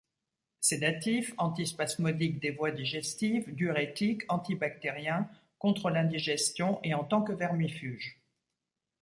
Sédatif, antispasmodique des voies digestives, diurétique, antibactérien, contre l'indigestion et en tant que vermifuge.